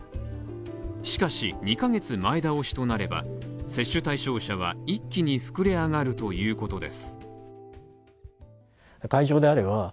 しかし、２ヶ月間前倒しになれば、接種対象者は一気に膨れ上がるということです。